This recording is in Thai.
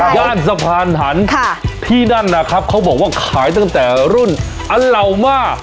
ย่านสะพานหันที่นั่นนะครับเขาบอกว่าขายตั้งแต่รุ่นอลเหล่าม่า